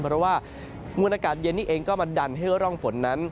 เพราะว่ามวลอากาศเย็นนี่เองก็มาดันให้ร่องฝนนั้น